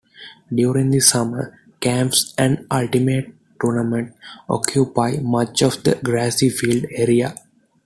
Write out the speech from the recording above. During the summer, camps and Ultimate tournaments occupy much of the grassy field area.